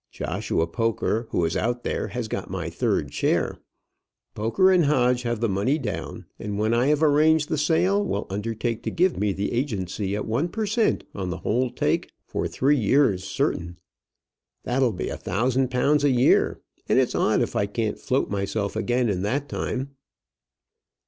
Joshua Poker, who is out there, has got my third share. Poker & Hodge have the money down, and when I have arranged the sale, will undertake to give me the agency at one per cent on the whole take for three years certain. That'll be £1000 a year, and it's odd if I can't float myself again in that time."